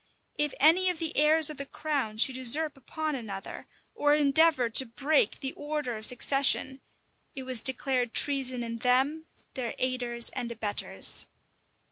If any of the heirs of the crown should usurp upon another, or endeavor to break the order of succession, it was declared treason in them, their aiders and abettors.